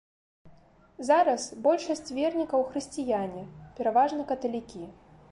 Зараз большасць вернікаў хрысціяне, пераважна каталікі.